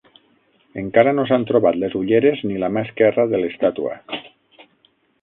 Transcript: Encara no s'han trobat les ulleres ni la mà esquerra de l'estàtua.